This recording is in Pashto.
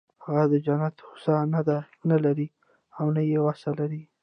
هغه د جنت هوس نه لري او نه یې وس لري